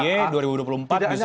justru bahaya begitu